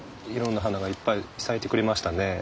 いろんな花がいっぱい咲いてくれましたね。